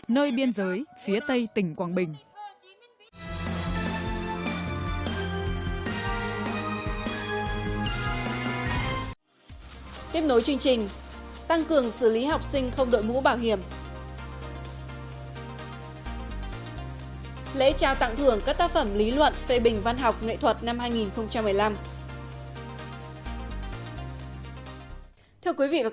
nơi biên giới phía tây tỉnh quảng bình